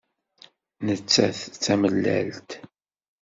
Nettat d tamellalt.